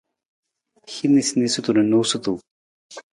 Hin niisaniisatu na noosutu.